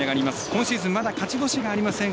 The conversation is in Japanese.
今シーズンまだ勝ち星がありません。